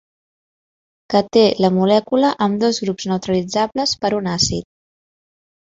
Que té la molècula amb dos grups neutralitzables per un àcid.